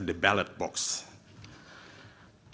mulai dari kotak balet